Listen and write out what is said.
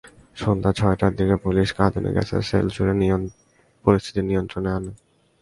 সন্ধ্যা ছয়টার দিকে পুলিশ কাঁদানে গ্যাসের শেল ছুড়ে পরিস্থিতি নিয়ন্ত্রণে আনে।